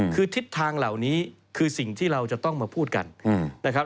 คือทิศทางเหล่านี้คือสิ่งที่เราจะต้องมาพูดกันนะครับ